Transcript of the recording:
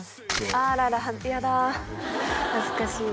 あららやだ恥ずかしい